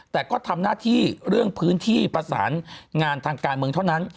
แต่ก็ทำหน้าที่เรื่องพื้นที่ประสานงานทางการเมืองเท่านั้น